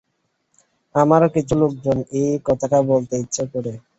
আমারও কিছু লোকজনকে এই কথাটা বলতে ইচ্ছে করে।